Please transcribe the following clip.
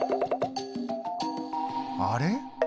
あれ？